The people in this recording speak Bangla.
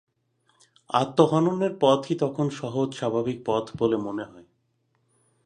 আত্মহননের পথই তখন সহজ-স্বাভাবিক পথ বলে মনে হয়।